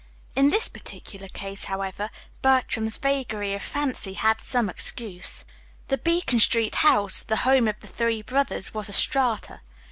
In this particular case, however, Bertram's vagary of fancy had some excuse. The Beacon Street house, the home of the three brothers, was a "Strata."